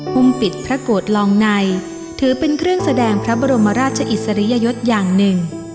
้มปิดพระโกรธลองในถือเป็นเครื่องแสดงพระบรมราชอิสริยยศอย่างหนึ่ง